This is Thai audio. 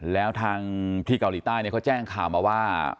แล้วทางที่เกาหลีใต้เขาแจ้งข่าวมาว่า